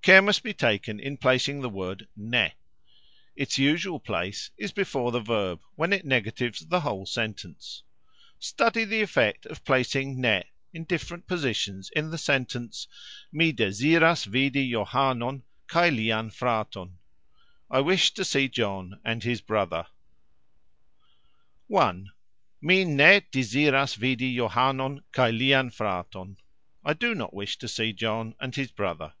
Care must be taken in placing the word "ne." Its usual place is before the verb, when it negatives the whole sentence. Study the effect of placing "ne" in different positions in the sentence "Mi deziras vidi Johanon kaj lian fraton", I wish to see John and his brother: (i.). "Mi ne deziras vidi Johanon kaj lian fraton", I do not wish to see John and his brother.